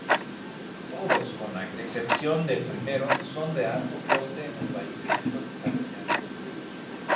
Todos, con excepción del primero, son de alto coste en los países menos desarrollados.